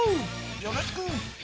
よろしく！